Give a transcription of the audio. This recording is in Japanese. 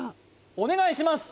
お願いします